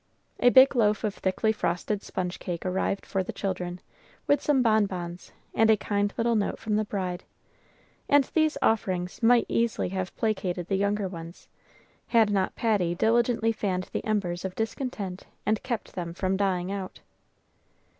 A big loaf of thickly frosted sponge cake arrived for the children, with some bon bons, and a kind little note from the bride; and these offerings might easily have placated the younger ones, had not Patty diligently fanned the embers of discontent and kept them from dying out.